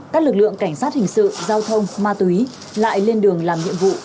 các lực lượng cảnh sát hình sự giao thông ma túy lại lên đường làm nhiệm vụ